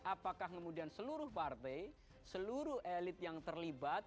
apakah kemudian seluruh partai seluruh elit yang terlibat